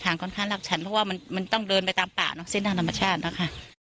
ค่อนข้างรักฉันเพราะว่ามันต้องเดินไปตามป่าเนอะเส้นทางธรรมชาตินะคะ